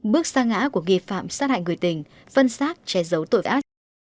bước sang ngã của nghi phạm sát hại người tình phân xác che giấu tội ác